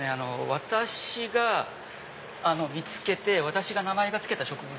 私が見つけて私が名前を付けた植物も。